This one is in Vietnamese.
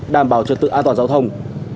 đảm bảo trật tự an toàn giao thông